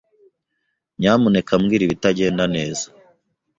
Nyamuneka mbwira ibitagenda neza.